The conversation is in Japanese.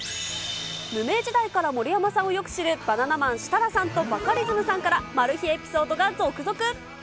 無名時代から森山さんをよく知る、バナナマン・設楽さんとバカリズムさんから、マル秘エピソードが続々。